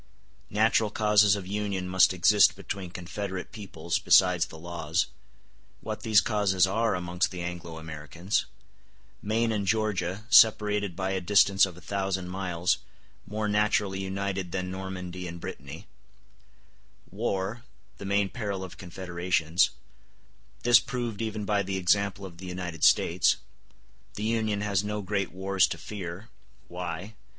—Natural causes of union must exist between confederate peoples besides the laws—What these causes are amongst the Anglo Americans—Maine and Georgia, separated by a distance of a thousand miles, more naturally united than Normandy and Brittany—War, the main peril of confederations—This proved even by the example of the United States—The Union has no great wars to fear—Why?